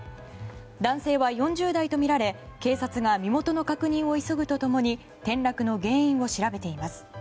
男性は４０代とみられ警察が身元の確認を急ぐと共に転落の原因を調べています。